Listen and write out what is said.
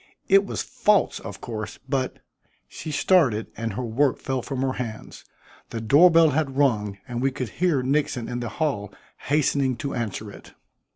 It was false, of course, but " She started, and her work fell from her hands. The door bell had rung and we could hear Nixon in the hall hastening to answer it.